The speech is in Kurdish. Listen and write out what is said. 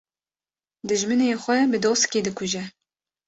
Dijminê xwe bi doskî dikuje